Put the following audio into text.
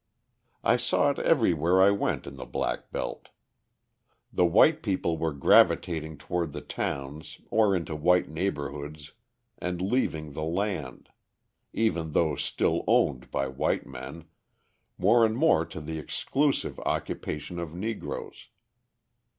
I saw it everywhere I went in the black belt. The white people were gravitating toward the towns or into white neighbourhoods and leaving the land, even though still owned by white men, more and more to the exclusive occupation of Negroes.